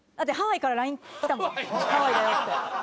ハワイだよって。